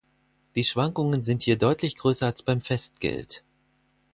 Die Schwankungen sind hier deutlich größer als beim Festgeld.